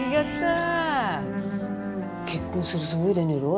結婚するつもりでねえろ？